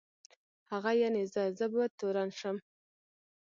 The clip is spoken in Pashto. هغه یعني زه، زه به تورن شم.